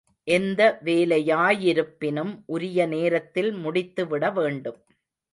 எந்த வேலையா யிருப்பினும் உரிய நேரத்தில் முடித்துவிட வேண்டும்.